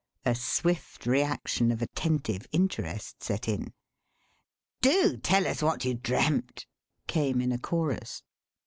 A swift reaction of attentive interest set in. "Do tell us what you dreamt," came in a chorus.